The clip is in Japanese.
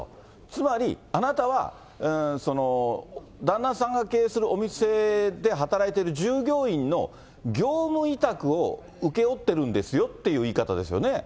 つまり、あなたは旦那さんが経営するお店で働いている従業員の業務委託を請け負ってるんですよっていう言い方ですよね。